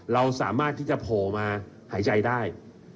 เราสามารถที่จะโผล่มาหายใจได้